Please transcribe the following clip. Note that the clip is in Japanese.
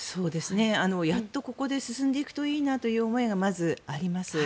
やっとここで進んでいくといいなという思いがまず、あります。